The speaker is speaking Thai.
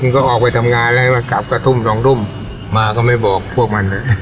ก็ออกไปทำงานแล้วก็กลับกระทุ่มสองทุ่มมาก็ไม่บอกพวกมันเลย